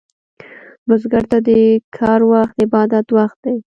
بزګر ته د کر وخت عبادت وخت دی